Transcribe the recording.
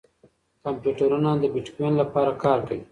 کمپیوټرونه د بېټکوین لپاره کار کوي.